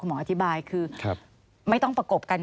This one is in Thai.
สวัสดีค่ะที่จอมฝันครับ